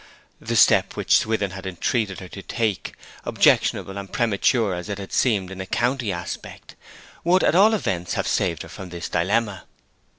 The step which Swithin had entreated her to take, objectionable and premature as it had seemed in a county aspect, would at all events have saved her from this dilemma.